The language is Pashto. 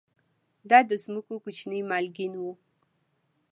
دا د ځمکو کوچني مالکین وو